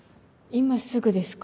今すぐですか？